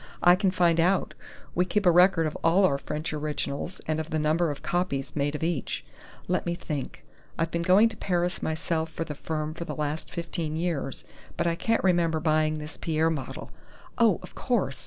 "I can find out. We keep a record of all our French originals and of the number of copies made of each.... Let me think! I've been going to Paris myself for the firm for the last fifteen years, but I can't remember buying this Pierre model.... Oh, of course!